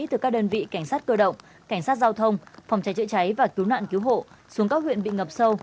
từ các đơn vị cảnh sát cơ động cảnh sát giao thông phòng cháy chữa cháy và cứu nạn cứu hộ xuống các huyện bị ngập sâu